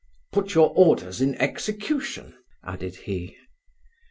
"Put your orders in execution," added he.